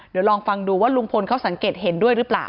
เดี๋ยวลองฟังดูว่าลุงพลเขาสังเกตเห็นด้วยหรือเปล่า